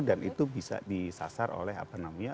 dan itu bisa disasar oleh apa namanya